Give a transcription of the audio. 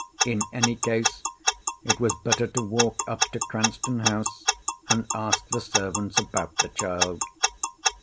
In any case it was better to walk up to Cranston House and ask the servants about the child.